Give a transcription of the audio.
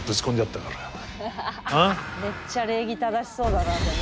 めっちゃ礼儀正しそうだなでも。